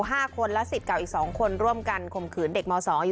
ห้าคนและสิทธิ์เก่าอีกสองคนร่วมกันข่มขืนเด็กมสองอยู่